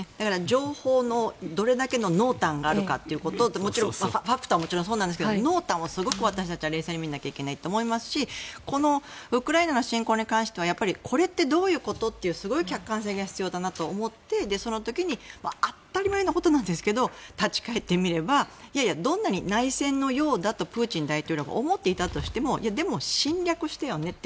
情報のどれだけの濃淡があるかということファクトはもちろんそうですが濃淡をすごく私たちは冷静に見ないといけないと思いますしこのウクライナ侵攻に関してはこれってどういうこと？ってすごい客観性が必要だなと思ってその時に当たり前のことなんですが立ち返ってみればいやいやどんなに内戦のようだとプーチン大統領が思っていたとしてもでも、侵略したよねって。